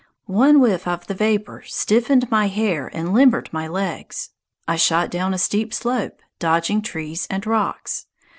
One whiff of the vapor stiffened my hair and limbered my legs. I shot down a steep slope, dodging trees and rocks.